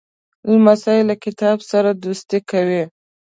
لمسی له کتاب سره دوستي کوي.